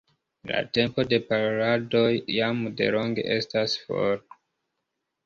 La tempo de paroladoj jam delonge estas for.